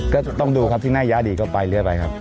ก็ต้องดูครับที่หน้าย้าดีก็ไปเรื่อยไปครับ